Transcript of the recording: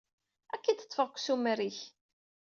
Ad k-id-ṭṭfeɣ deg ussumer-ik.